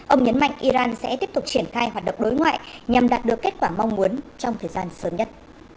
ông nhấn mạnh iran sẽ tiếp tục triển khai hoạt động đối ngoại nhằm đạt được kết quả mong muốn trong thời gian sớm nhất